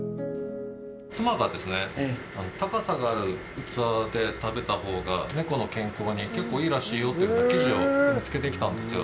妻が、高さがある器で食べたほうが猫の健康に結構いいらしいよというふうな記事を見つけてきたんですよ。